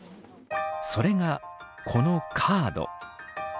それがこのカード。